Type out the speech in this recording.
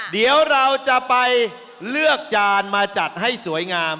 เดี๋ยวเราจะไปเลือกจานมาจัดให้สวยงาม